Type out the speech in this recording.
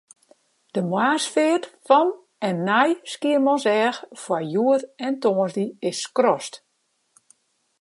De moarnsfeart fan en nei Skiermûntseach foar hjoed en tongersdei is skrast.